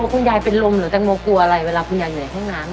กลัวคุณยายเป็นลมหรือแต่งโมกลัวอะไรเวลาคุณยายเหนื่อยห้องน้ำอ่ะ